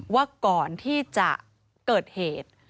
ว่าก่อนที่จะเกิดเหตุ